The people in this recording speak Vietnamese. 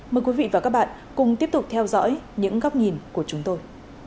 mời quý vị và các bạn cùng tiếp tục theo dõi những góc nhìn của chúng tôi